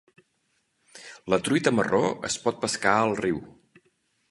La truita marró es pot pescar al riu.